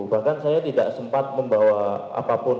bahkan saya tidak sempat membawa apapun